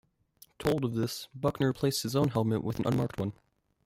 Told of this, Buckner replaced his own helmet with an unmarked one.